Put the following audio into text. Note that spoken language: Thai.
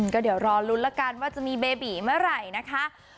ก็เดี๋ยวรอลุ้นละกันว่าจะมีเบบีเมื่อไหร่นะคะ